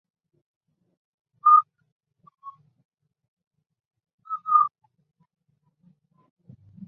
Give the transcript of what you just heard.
马卡里奇农村居民点是俄罗斯联邦布良斯克州红戈拉区所属的一个农村居民点。